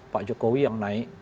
pak jokowi yang naik